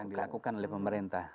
yang dilakukan oleh pemerintah